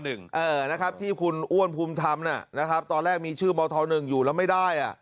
เออนะครับที่คุณอ้วนพุมธรรมน่ะนะครับตอนแรกมีชื่อบธหนึ่งอยู่แล้วไม่ได้